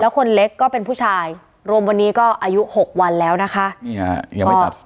คนเล็กก็เป็นผู้ชายรวมวันนี้ก็อายุหกวันแล้วนะคะนี่ฮะยังไม่ตัด